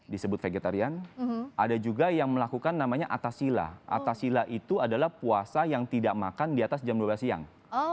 disebut vegetarian ada juga yang melakukan namanya atasila atasila itu adalah puasa yang tidak makan di atas jam dua belas siang